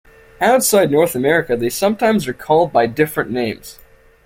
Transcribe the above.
Outside North America, they sometimes are called by different names.